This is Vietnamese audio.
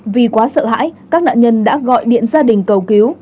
vì quá sợ hãi các nạn nhân đã gọi điện gia đình cầu cứu